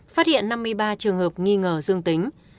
phát hiện năm mươi ba trường hợp nghi ngờ dương tính